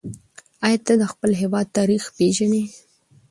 آیا ته د خپل هېواد تاریخ پېژنې؟